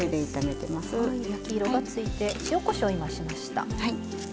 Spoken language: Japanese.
焼き色がついて塩・こしょう今しました。